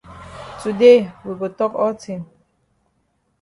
Today we go tok all tin.